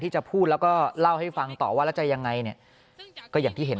จะพูดแล้วก็เล่าให้ฟังต่อว่าแล้วจะยังไงเนี่ยก็อย่างที่เห็น